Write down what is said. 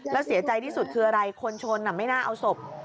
แล้วเสียใจที่สุดคืออะไรคนชนไม่น่าเอาศพ